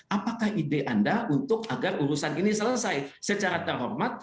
apakah ide anda untuk agar urusan ini selesai secara terhormat